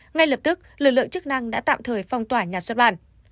ngay lập tức lực lượng chức năng đã tạm thời phong tỏa nhà xuất bản